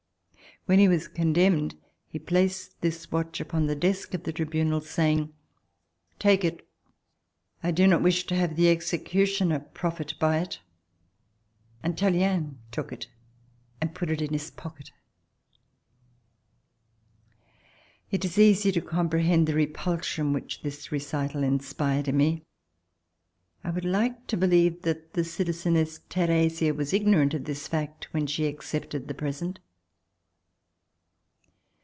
When he was condemned he placed this watch upon the desk of the tribunal, saying: *Take it, I do not wish to have the executioner profit by it.' And Tallien took it and put it in his pocket." It is easy to comprehend the repulsion which this recital inspired in me. I would like to believe that the citlzeness Theresia was ignorant of this fact when she accepted the present.